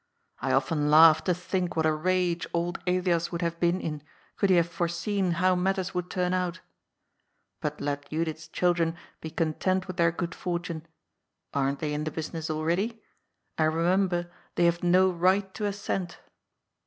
I often laugh to think what a rage old Elias would have been in, could he have foreseen how matters would turn out. But let Judith's children be content with their good fortune — aren't they in the business already ?— and remem ber they have no right to a cent."